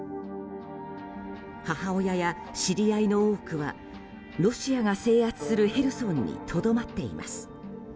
母親や知り合いの多くはロシアが制圧するヘルソンにとどまっています。